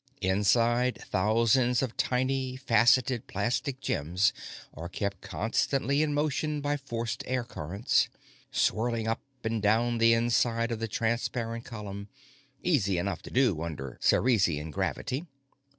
Inside, thousands of tiny, faceted, plastic gems are kept constantly in motion by forced air currents, swirling up and down the inside of the transparent column easy enough to do under Cerean gravity.